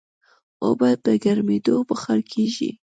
اوبه په ګرمېدو بخار کېږي.